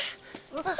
あっ。